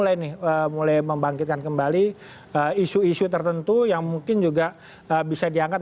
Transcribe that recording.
mulai nih mulai membangkitkan kembali isu isu tertentu yang mungkin juga bisa diangkat